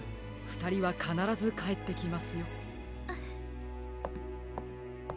ふたりはかならずかえってきますよ。